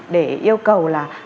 để yêu cầu là